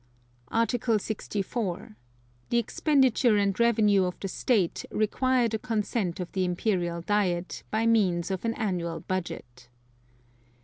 Article 64. The expenditure and revenue of the State require the consent of the Imperial Diet by means of an annual Budget.